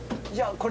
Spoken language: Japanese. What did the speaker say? これ。